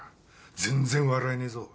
全然笑えねえぞ。